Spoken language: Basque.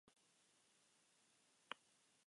Beraz, iragarpen horiek egin egiten dira.